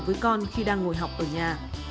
với con khi đang ngồi học ở nhà